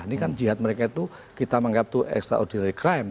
ini kan jihad mereka itu kita menganggap itu extraordinary crime